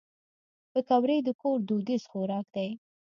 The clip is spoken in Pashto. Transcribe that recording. پکورې د کور دودیز خوراک دی